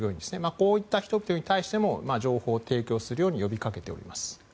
こういった人たちに対しても情報を提供するように呼びかけております。